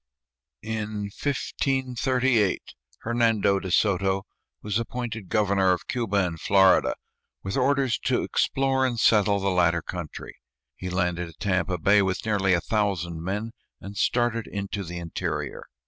In 1538 Hernando de Soto was appointed governor of Cuba and Florida, with orders to explore and settle the latter country. He landed at Tampa Bay with nearly a thousand men and started into the interior.